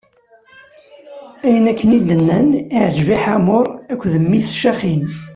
Ayen akken i d-nnan, iɛǧeb i Ḥamur akked mmi-s Caxim.